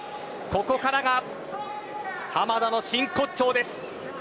ここからが濱田の真骨頂です。